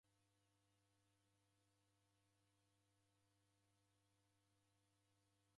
W'atumbanyire magome mengi sana gha mariko.